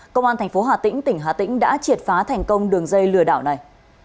công an thành phố hà tĩnh tỉnh hà tĩnh đã triệt phá thành công đường dây lừa đảo này